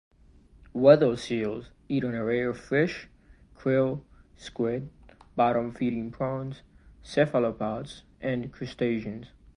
Weddell seals eat an array of fish, krill, squid, bottom-feeding prawns, cephalopods and crustaceans.